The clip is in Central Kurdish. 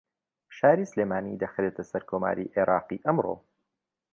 شاری سلێمانی دەخرێتە سەر کۆماری عێراقی ئەمڕۆ